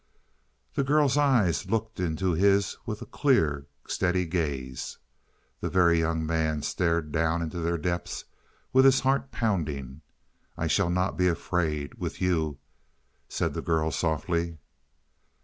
The girl's eyes looked into his with a clear, steady gaze. The Very Young Man stared down into their depths with his heart pounding. "I shall not be afraid with you," said the girl softly.